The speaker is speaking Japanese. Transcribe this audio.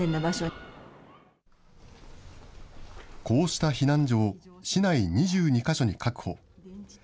こうした避難所を市内２２か所に確保。